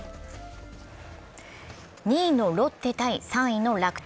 ２位のロッテ対３位の楽天。